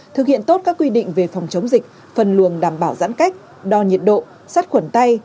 thực hiện tốt các quy định về phòng chống dịch phân luồng đảm bảo giãn cách đo nhiệt độ sắt khuẩn tay